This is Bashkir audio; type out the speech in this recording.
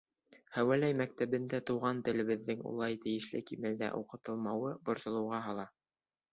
— Һәүәләй мәктәбендә туған телдәрҙең улай тейешле кимәлдә уҡытылмауы борсоуға һала.